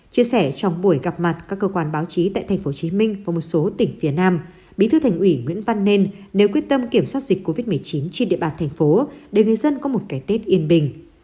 chia sẻ trong buổi gặp mặt các cơ quan báo chí tại tp hcm và một số tỉnh phía nam bí thư thành ủy nguyễn văn nên nếu quyết tâm kiểm soát dịch covid một mươi chín trên địa bàn thành phố để người dân có một cái tết yên bình